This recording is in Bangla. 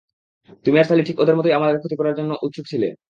তুমি আর সালি ঠিক ওদের মতোই আমার ক্ষতি করার জন্য উৎসুক ছিলে।